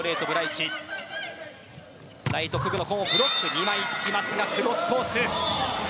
２枚つきますが、クロスコース。